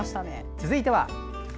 続いては。